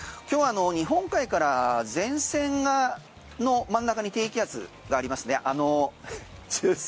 今日、日本海から前線の真ん中に低気圧がありますね。